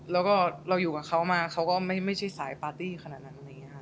แล้วก็เราอยู่กับเขามาเขาก็ไม่ใช่สายปาร์ตี้ขนาดนั้น